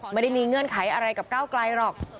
ไม่ได้มีเงื่อนไขอะไรกับก้าวไกลหรอก